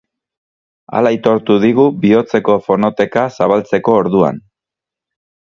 Hala aitortu digu bihotzeko fonoteka zabaltzeko orduan.